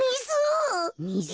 みず？